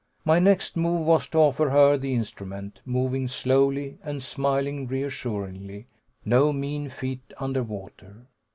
My next move was to offer her the instrument, moving slowly, and smiling reassuringly no mean feat under water.